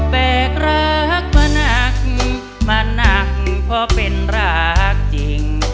แบกรักมาหนักมาหนักเพราะเป็นรักจริง